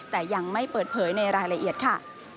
แต่ยังไม่เปิดเผยในรายละเอียดค่ะ